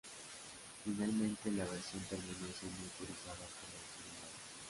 Finalmente, la versión terminó siendo autorizada por los tribunales.